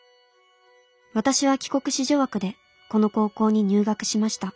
私は帰国子女枠でこの高校に入学しました。